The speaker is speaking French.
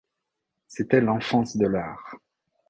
C’était l’enfance de l’art!